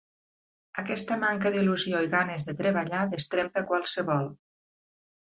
Aquesta manca d'il·lusió i ganes de treballar destrempa a qualsevol.